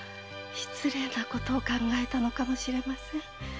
失礼な事を考えたのかもしれません。